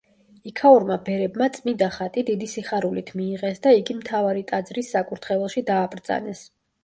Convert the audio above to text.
იქაურმა ბერებმა წმიდა ხატი დიდი სიხარულით მიიღეს და იგი მთავარი ტაძრის საკურთხეველში დააბრძანეს.